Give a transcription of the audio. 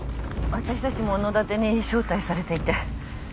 私たちも野だてに招待されていて。